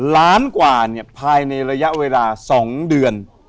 ล้านกว่าเนี่ยภายในระยะเวลา๒เดือน